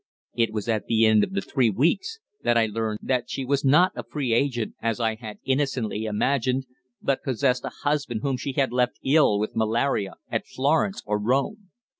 It was at the end of the three weeks that I learned that she was not a free agent, as I had innocently imagined, but possessed a husband whom she had left ill with malaria at Florence or Rome.